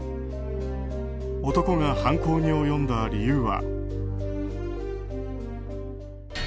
男が犯行に及んだ理由は。